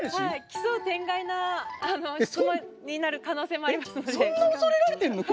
奇想天外な質問になる可能性もありますので。